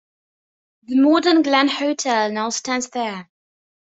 The modern Glen Hotel now stands there.